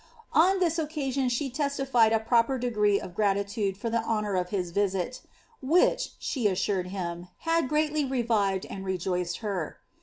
On this occasion she testified a proper degree of iratitude for the honour of his visit, ^^ which," she assured him, ^ had peaily revived and rejoiced her."